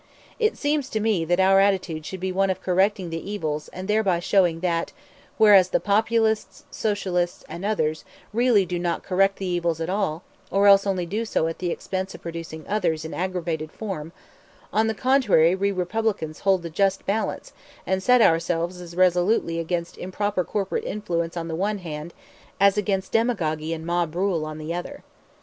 It seems to me that our attitude should be one of correcting the evils and thereby showing that, whereas the Populists, Socialists, and others really do not correct the evils at all, or else only do so at the expense of producing others in aggravated form; on the contrary we Republicans hold the just balance and set ourselves as resolutely against improper corporate influence on the one hand as against demagogy and mob rule on the other.